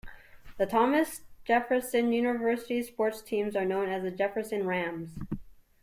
The Thomas Jefferson University sports teams are known as the Jefferson Rams.